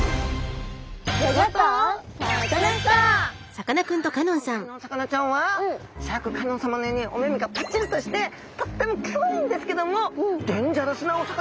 さあ今回のお魚ちゃんはシャーク香音さまのようにお目々がぱっちりとしてとってもかわいいんですけどもえ！